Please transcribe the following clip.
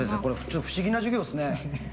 ちょっと不思議な授業ですね。